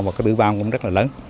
và cái tử vong cũng rất là lớn